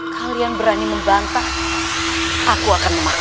kalian berani membantah aku akan memaksa